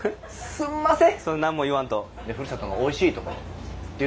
すんません！